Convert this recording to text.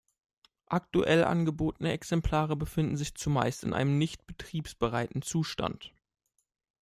Aktuell angebotene Exemplare befinden sich zumeist in einem nicht betriebsbereiten Zustand.